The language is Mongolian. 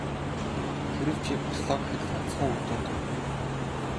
Хэрэв чи бослоо гэхэд ганцхан үр дүнд хүрнэ.